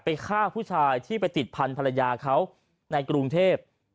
ฆ่าผู้ชายที่ไปติดพันธรรยาเขาในกรุงเทพ